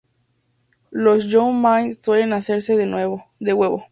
Los "you mian" suelen hacerse de huevo.